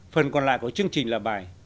phần còn lại của chương trình là bài